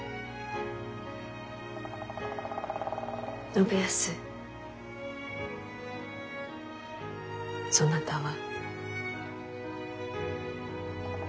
信康そなたは。